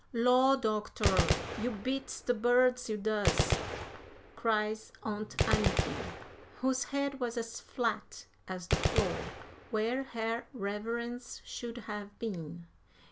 "Law, doctor! you beats de birds, you does," cries Aunt Anniky, whose head was as flat as the floor, where her reverence should have been.